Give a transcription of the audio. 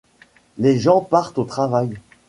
Les gens partent au travail.